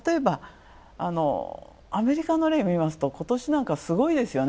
アメリカの例を見ますと今年なんかすごいですよね。